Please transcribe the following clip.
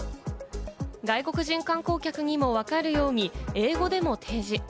外国人観光客にも分かるように、英語でも提示。